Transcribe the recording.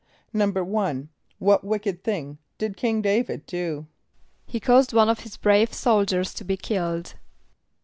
=1.= What wicked thing did King D[=a]´vid do? =He caused one of his brave soldiers to be killed.